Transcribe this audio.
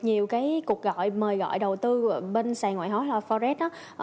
nhiều cuộc gọi mời gọi đầu tư bên sàn ngoại hóa là forex